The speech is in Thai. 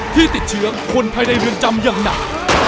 ที่ติดเชื้อคนภายในเรือนจำอย่างหนัก